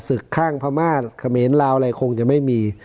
ศึกฆ่างพม่าเขมนเหล้าอะไรคงจะไม่มี